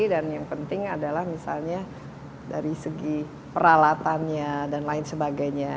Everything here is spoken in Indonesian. dan yang penting adalah misalnya dari segi peralatannya dan lain sebagainya